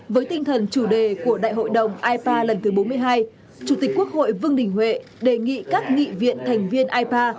với tinh thần chủ đề của đại hội đồng ipa lần thứ bốn mươi hai chủ tịch quốc hội vương đình huệ đề nghị các nghị viện thành viên ipa